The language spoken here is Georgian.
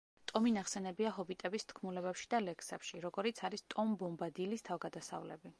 ტომი ნახსენებია ჰობიტების თქმულებებში და ლექსებში, როგორიც არის „ტომ ბომბადილის თავგადასავლები“.